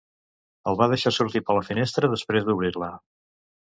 El va deixar sortir per la finestra després d'obrir-la.